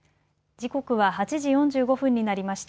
時刻は８時４５分になりました。